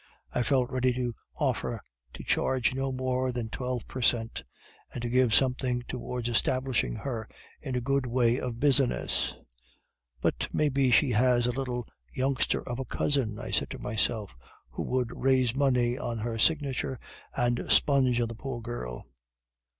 I felt ready to offer to charge no more than twelve per cent, and so give something towards establishing her in a good way of business. "'"But maybe she has a little youngster of a cousin," I said to myself, "who would raise money on her signature and sponge on the poor girl."